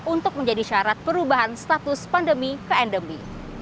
untuk menjadi syarat perubahan status pandemi ke endemi